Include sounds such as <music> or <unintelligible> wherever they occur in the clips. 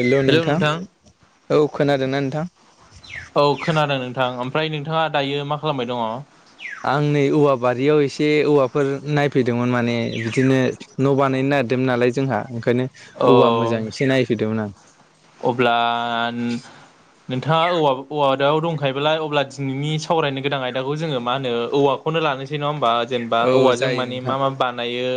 Hello नोंथां औ खोनादोंना नोंथां? औ खोनादों नोंथां ओमफ्राय नोंथांङा दायो मा खालामबाय दंङ? आं नै औवा बारियाव एसे औवाफोर नायफैदोंमोन माने बिदिनो न' बा नायनो नागेरदोंमोन नालाय जोंहा ओंखायनो औवा मोजां एसे नायफैदोंमोन आं अब्ला नोंथांङा औवा औवा दायाव दंखायोबालाय अब्ला दिनैनि सावरायनो गोनां आयदाखौ जोंङो मा होनो औवा खौनो लानोसै नंङा होमबा? जेनेबा औ औवाजों जायो माने नोंथां मा मा बानायो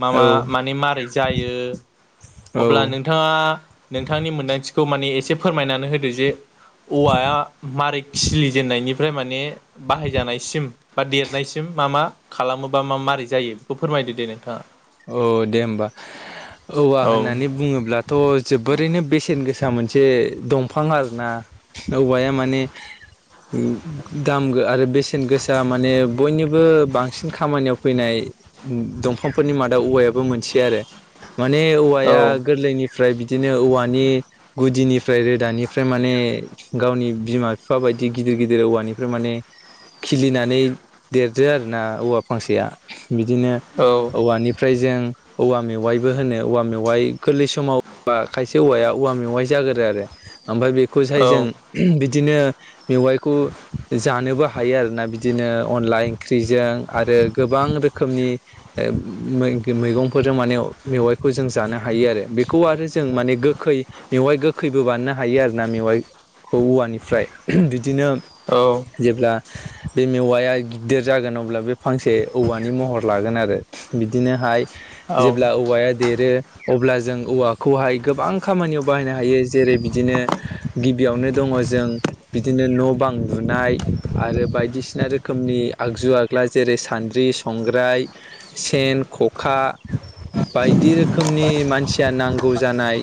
मा औ मा माने मारै जायो औ अब्ला नोंथांङा नोंथ नेकसखौ माने एसे फोरमायनानै होदो जे औवाया मारै खिलिजेननायनि ओमफ्राय माने बाहायजानायसिम बा देरनायसिम मा मा खालामो बा मा मारै जायो बेखौ फोरमाय दो दे नोंथांङा औ दे होमबा औवा औ होननानै बुंङोब्लाथ' जोबोरैनो बेसे सेन गोसा मोनसे दंफां आरो ना औवाया माने उम दाम गो आरो बेसेन गोसा दामाने बयनिबो बांसिन खामानियाव फैनाय दंफां फोरनि मादाव औवायाबो मोनसे आरो माने औ औवाया गोरलैनि फ्राय बिदिनो औवानि गुदिनिफ्राय रोदानिफ्राय माने गावनि बिमा बिफा बाय दि गिदिर गिदिर औवानिफ्राय माने। खिलिनानै देरदो आरोना औवा फांसेया बिदिनो। औवानिफ्राय जों औवा मेवाइबो होनो औवा मेवाइ गोरलै समाव खायसे औवाया औवा मे वाय जाग्रोआ आरो ओमफ्राय औ बेखौसाय जों बि बिदिनो मेवाइखौ जानोबो हायो आरोना बिदिनो अनला ओंख्रिजों आरो गोबां रोखोमनि मैगंफोरजों माने मेवाइखौ जों जानो हायो आरो बेखौ आरो जों माने गोखै मेवाइ गोखैबो बानायनो हायो आरोना मेवाइखौ औवानिफ्राय बि दिनो औ जेब्ला बे मेवाया गिदिर जागोन अब्ला बे फांसे औवानि महर लागोन आरो बिदिनोहाय औ जेब्ला औवाया देरो अब्ला जों औवाखौहाय गोबां खामानियाव बाहायनो हायो जेरै बिदिनो गिबियावनो दं ङ जों बिदिनो न' बां लुनाय आरो बायदिसिना रोखोमनि आगजु आगला जेरै सानद्रि संग्राय सेन ख'खा बायदि रोखोमनि मानसिया नांगौ जानाय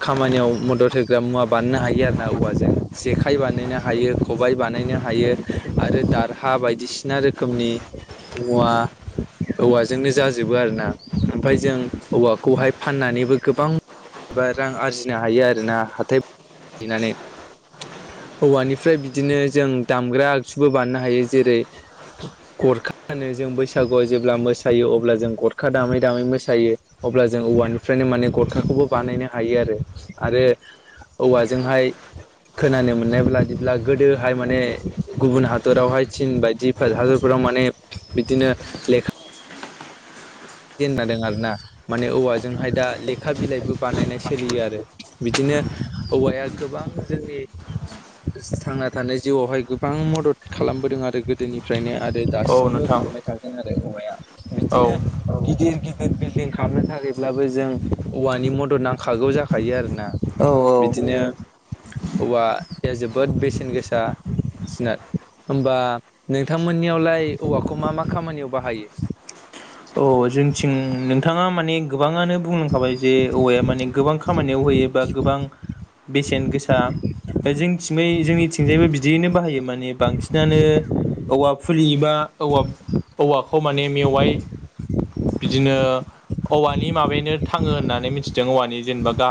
खामानियाव मदद होग्रा मुवा बानायनो हायो आरो ना औवाजों जेखाइ बानायनो हायो खबाइ बानायनो हायो आ रो दारहा बायदिसिना रोखोमनि मुवा <unintelligible> औवाजोंनो जाजोबो आरो ना ओमफ्राय जों औवाखौहाय फाननानैबो गोबां एबा रां आरजिनो हायो आरोना हाथाय नानै औवानिफ्राय बिदिनो जों दामग्रा आगजुबो बानायनो हायो जेरै गरखाहोनो जों बैसाग बैसागुआव जेब्ला मोसायो अब्ला जों गरखा दामै दामै मोसायो अब्ला जों औवानिफ्रायनो माने गरखाखौ बो बानायनो हायो आरो आरो औवाजोंहाय खोनानो मोननाय ब्ला बादिब्ला गोदोहाय माने गुबुन हादरावहाय चिन बायदि फोर हादरफोराव माने बिदिनो लेखा जेंना दं आरोना माने औवाजोंहाय दा लेखा बिलाइबो बानायनाय सोलियो आरो बिदिनो औवाया गोबां जोंनि थांना थानाय जिउआवहाय गोबां मदद खालामबोदों आरो गोदोनिफ्रायनो आरो औ दासिमबो नोंथां खालामबाय थागोन आरो औवाया औ बिदिनो गिदिर गिदिर बिल्डिं खालामनो थाखायब्लाबो जों औवानि मदद नांखागौ जाखागौ‌ जाखायो आरो ना। औ बिदिनो औवा या जोबोद बेसेन गोसा इसना होमबा नोंथांमोननियावलाय औवाखौ मा मा खामानियाव बाहायो औ जोंथिं नोंथाङा माने गोबां गोबाङानो बुंलांखाबाय जे औवाया माने गोबां खामानियाव होयो बा गोबां बेसेन गोसा जोंनिथिं जोंनिथिंजायबो बिदियैनो बाहायो माने बांसिनानो औवा फुलि इबा औवा औवाखौ माने मेवाइ बिदिनो औवानि माबायानो थाङो होननानै मिथिदों औवानि जेनेबा गा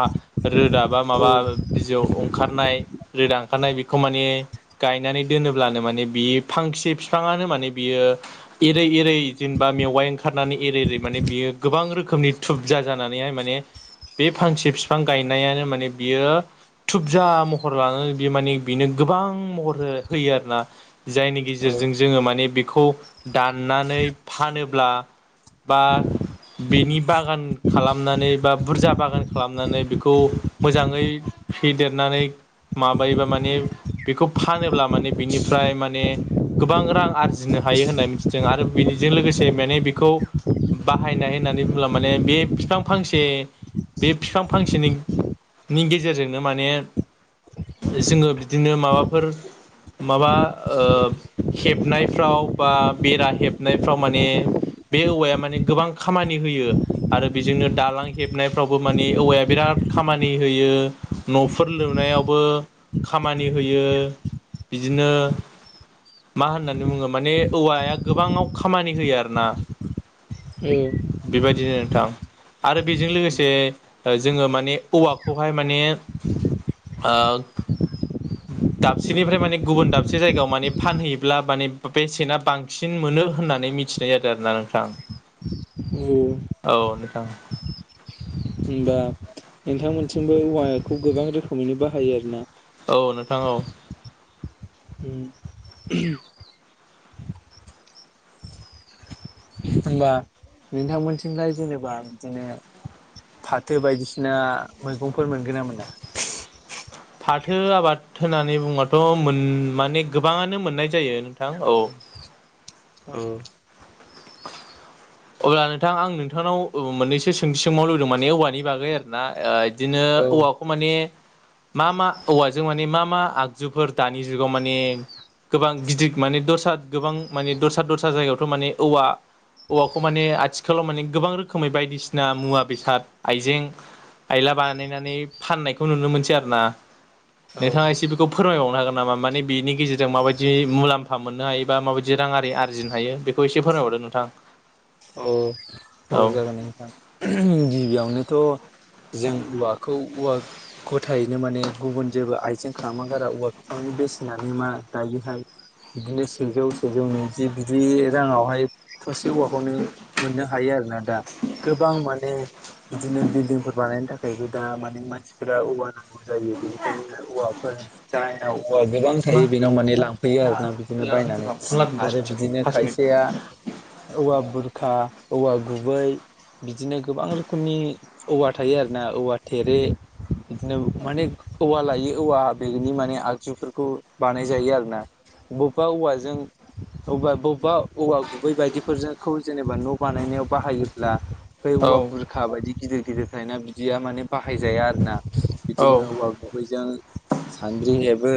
रोदाब मा औ माबा बिजौ ओंखारनाय रोदा ओंखारनाय बेखौ माने गायनानै दोनोब्लानो माने बियो फांसे फिफांआ मानो माने बियो एरै एरै जेनेबा मेवाइ ओंखारनानै एरै एरै माने बियो गोबां रोखोम रोखोमनि थुबजा जानानैहाय माने बे फांसे फिफां गायनायानो माने बियो थुबजा महर लानानै बे माने बिनो गोबां महर होय होयो आरोना जायनि गेजेरजों औ जोङो माने बेखौ दाननानै फानोब्ला बा बेनि बागान खालामनानै बा बुरजा बागान खालामनानै बेखौ मोजाङै फेदेरनानै माबायोबा माने बेखौ फानोब्ला माने बिनिफ्राय माने गोबां रां आरजिनो हायो होननाय मिथिदों आरो बेनिजों लोगोसे मेनेबिख खौ‌ बाहायनाय होननानै बुंबला माने बे फिफां फांसे बे फिफां फांसेनिनि गेजेरजोंनो माने जोङो बिदिनो माबाफोर माबा ओ हेबनायफ्राव बा बेरा हेबनायफ्राव माने बे औवाया माने गोबां खामानि होयो आरो बेजोंनो दालां हेबनायफ्रावबो माने औवाया बिराद खामानि होयो नफोर लुनायावबो खामानि होयो। बिदिनो मा होननानै बुङो माने औवाया गोबाङाव खामानि होयो आरो ना? उम। नोंथां आरो बेजों लोगोसे जोङो माने औवाखौहाय माने ओ दाबसेनिफ्राय माने गुबुन दाबसे जायगायाव माने फानहैयोब्ला माने बेसेना बांसिन मोनो होननानै मिथिनाय जादो आरोना नोंथां। उम। औ नोंथां। होनबा नोंथांमोनथिंबो औवाखौ गोबां रोखोमैनो बाहायो आरो ना? औ नोंथां औ। <inaudible> <inaudible> हैबा नोंथांमोनथिंलाय जेनेबा बिदिनो फाथो बायदिसिना मैगंफोर मोनगोन ना मोना? फाथो आबाद होननानै बुङाथ‌ मोन माने गोबाङानो मोननाय जायो नोंथां औ <inaudible> ओ। अब्ला नोंथां आं नोंथांनाव ओब मोननैसो सोंथि सोंबावनोलुदों माने औवानि बागै आर ना ओइद दिनो औ औवाखौ माने मा मा औवाजों माने मा मा आगजुफोर दानि जुगाव माने गोबां गिदिग माने दस्रा गोबां माने दस्रा दस्रा जायगायावथ' माने औवा औवाखौ माने आथिखालाव माने गोबां रोखोमै बायदिसिना मुवा बेसाद आइजें आइला बानायनानै फाननायखौ नुनो मोनसै आरो ना औ नोंथाङा एसे बेखौ फोरमायबावनो हागोन नामा माने बिनि गेजेरजों माबायदि मुलाम्फा मोननो हायो बा माबायदि रांआरि आरजिनो हायो बेखौ एसे फोरमायबावदो गोन‌ नोंथां। औ औ जागोन नोंथां। गिबियावनोथ' जों औवाखौ औवा खथायैनो माने गुबुन जेबो आइजें खामा गारा औवा बिफांनि बेसेनानो मा दायोहाय‌ बिदिनो सेजौ सेजौ नैजि बिदि राङावहाय थसे औवाखौनो मोननो हायो आरोना दा। गोबां माने बिदिनो बिल्डिंफोर बानायनो थाखायबो दा माने मानसिफोरा औव नां गौ जायो बेनिखायनो औवाफोर दाइन औवा गोबां थायो बेनाव माने लांफैयो औ औ आरोना बिदिनो बायनानै आरो बिदिनो खायसेया औवा बुरखा औवा गुबै बिदिनो गोबां रोखोमनि औवा थायो आरो ना औवा थेरे। बिदिनो माने औवा लायि औवा बेनि माने आगजुफोरखौ बानाय जायो आरो ना। बबबा औवाजों अबबा बबबा औवा गुबै बायदिफोरजोंखौ जेनेबा न' बानायनायाव बाहायोब्ला फोय औवा बुरखा बायदि गिदिर गिदिर थायोना बिदिया माने बाहायजाया आरो ना। बिदिनो औवा गुबैजों सान्द्रि हेबो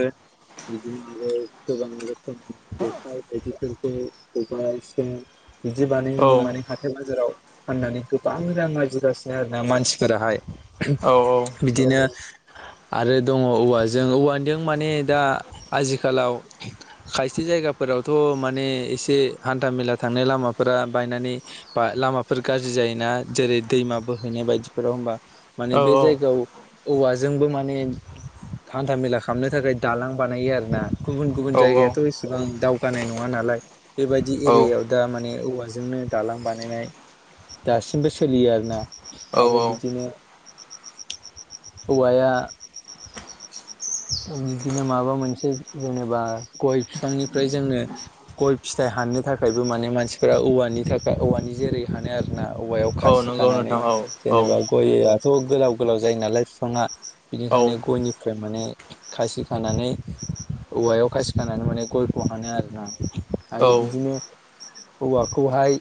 बिदिनो आरो गोबां रोखोमनि जेखाय बायदि फोरखौ जेखाइ सेन बिदि औ बानायोमोन माने खाथे बाजाराव फाननानै गोबां रां आरजिगासिनो आरोना मानसिफोराहाय। औ बिदिनो आरो दङ औवाजों औवादों माने दा आजिखालाव खायसे जायगाफोरावथ' माने एसे हान्था मेला थांनाय लामाफोरा बायनानै बा लामाफोर गाज्रि जायोना जेरै दैमा बोहैनाय बायदिफोराव होमबा। औ माने बे जायगाव। औवाजोंबो माने हान्था मेला खामनो थाखाय दालां बानायो आरो ना। गुबुन गुबुन जायगायाथ' एसेबां दावगानाय नङा नालाय बेबायदि औ एरियायाव। थारमाने औवाजोंनो दालां बानायनाय दासिमबो सोलियो आरो ना। औ आरो बिदिनो हौवाया बिदिनो माबा मोनसे जेनेबा गय बिफांनिफ्राय जोंङो गय फिथाइ हाननो थाखायबो माने मानसिफोरा औवानि थाखाय औवानि जेरै हानो आरो। ना औवायाव औ खासि नंगौ खानानै नोंथां औ औ जेनेबा गया थ' गोलाव गोलाव जायो नालाय बिफाङा औ बिनिखायनो गयनिफ्राय माने खासि खानानै औवायाव खासि खानानै माने गयखौ हानो आरो ना। आरो बिदिनो। औवाखौहाय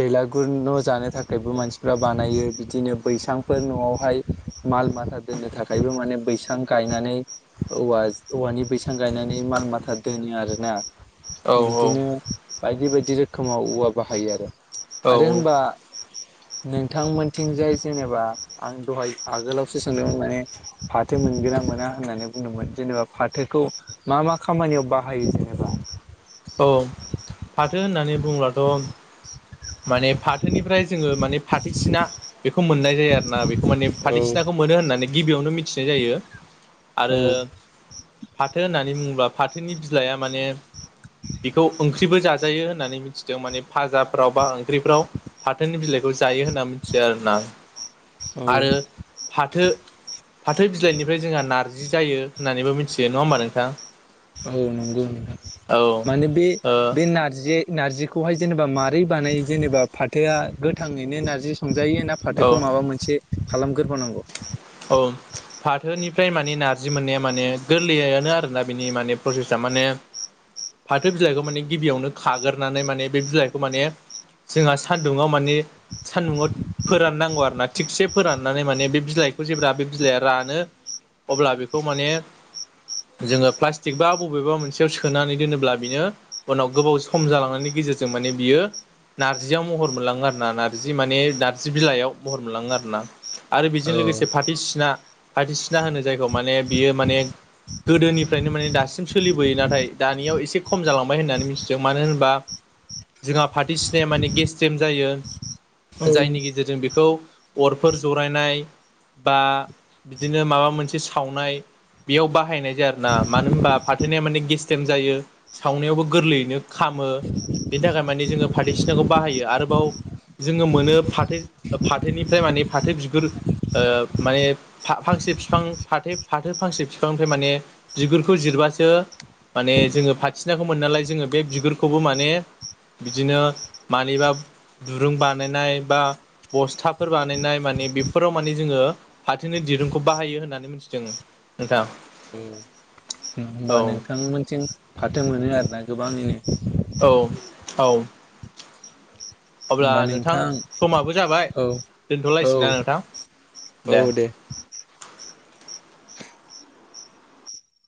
बेलागुर न' जानो थाखायबो मानसिफ्रा बानायो बिदिनो बै बैसांफोर न'आवहाय माल माथा दोननो थाखायबो माने बैसां गायनानै औवा औवानि बैसां गायनानै माल माथा दोनो आरो ना। औ बिदिनो बायदि बायदि रोखोमाव औवा बाहायो आरो। आरोे होनबा नोंथांमोनथिंजाय जेनेबा आं दहाय आगोलावसो सोंदोंमोन माने फाथोमोन गोना मोना होननानै बुंदोंमोन जेनेबा फाथोखौ मा मा खामानियाव बाहायो जेनेबा? औ फाथो होननानै बुंब्लाथ'। जे आरो ना बेखौ माने औ फाथोसिनाखौ मोनो होननानै गिबियावनो मिथिनाय जायो। औ आरो फाथो होननानै मुङोब्ला फाथोनि बिलाइआ माने। बेखौ ओंख्रिबो जाजायो होननानै मिथिदों माने फाजाब फ्राव बा ओंख्रिफ्राव फाथोनि बिलाइखौ जायो होनना मिथियो आरो ना औ आरो फाथो फाथो बिलाइनिफ्राय जोंहा नारजि जायो होननानैबो मिथियो नङा होमबा नोंथां। औ नंगौ नंगौ औ माने बे ओ बे नारजि नारजिखौहाय जेनेबा मारोरै बानायो जेनेबा फाथोआ गोथाङैनो नारजि संजायो ना औ फाथोखौ माबा मोनसे खालामगोरोबावनांगौ। औ फाथोनिफ्राय माने नारजि मोननाया माने गोरलैयानो आरोना बिनि माने प्रसेसा। माने फाथो बिलाइखौ माने गिबियावनो खाग्रोनानै माने बे बिलाइखौ माने जोंहा सान्दुङाव माने सान्दुंङाव फोराननांगौ आरोना थिगसे फोराननानै माने बे बिलाइ जेब्ला बे बिलाइआ रानो अब्ला बेखौ माने जोंङो प्लास्टिक बा बबेबा मोनसेयाव सोनानै दोनोब्ला बिनो उनाव गोबाव सम जालांनानै गेजेरजों माने बियो नार्जियाव महर मोनलाङो आरो ना नार्जि माने नार्जि बिलाइयाव महर मोनलाङो आरो ना। आरो बेजों औ लोगोसे फाथो सिना फाथो सिना होनो जायखौ माने बियो माने गोदोनिफ्रायनो माने दासिम सोलिबोयो नाथाय दानियाव एसे खम जालांबाय होननानै मिथिदों मानो होनबा जोंहा फाथो सिनाया माने गेस्ट्रेम जायो औ जायनि गेजेरजों बेखौ अरफोर जरायनाय बा बिदिनो माबा मोनसे सावनाय बेयाव बाहायनाय बिदि आरोना मानो होनबा फाथैनाया मे गेसरेम जायो सावनायावबो गोरलैनो खामो बेनि थाखाय मानि जोंङो फाथै सिनाखौ बाहायो आरोबाव जोंङो मोनो फाथो फाथोनिफ्राय माने फाथो बिगुर ओ माने फांसे बिफां फाथो फाथो फांसे बिफांनिफ्राय माने बिगुरखौ जिरबासो माने जोंङो फाथिनाखौ मोनो नालाय जोंङो बे बिगुरखौबो माने बिदिनो मानिबा दुरुं बानायनाय बा बस्थाफोर बानायनाय मानि बेफोराव माने जोंङो फाथोनि दिरुंखौ बाहायो होननानै मोनथिदों नोंथां। होनबा औ नोंथांमोनसिम फाथो मोनो आरोना गोबाङैनो? औ औ अब्ला नोंथां समाबो जाबाय औ औ दोनथलायसै ना नोंथां? औ दे